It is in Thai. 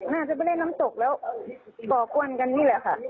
น่าจะไปเล่นน้ำตกแล้วก่อกวนกันนี่แหละค่ะ